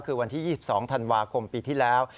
คือวันที่๒๒ธันวาคมปีที่แล้ว